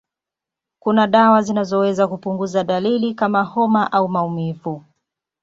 Kuna dawa zinazoweza kupunguza dalili kama homa au maumivu.